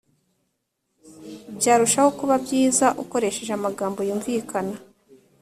byarushaho kuba byiza ukoresheje amagambo yumvikana